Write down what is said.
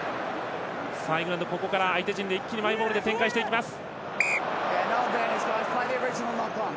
イングランド、ここから相手陣で一気にマイボールで展開していきます。